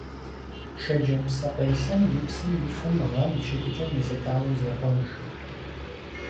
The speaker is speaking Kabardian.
Шэджэм псыкъелъэм и псым и фэм гъэм и щытыкӀэм елъытауэ зехъуэж.